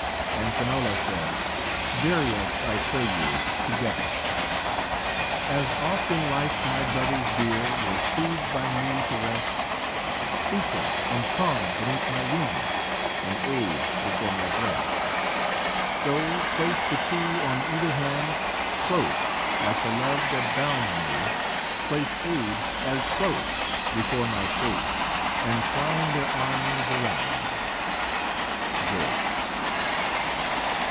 And Finola said, "Bury us, I pray you, together." "As oft in life my brothers dear Were sooth'd by me to rest Ficra and Conn beneath my wings, And Aed before my breast; So place the two on either hand Close, like the love that bound me; Place Aed as close before my face, And twine their arms around me." Joyce.